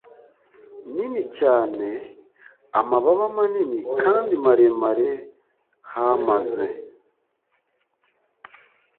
nini cyane amababa manini kandi maremare h maze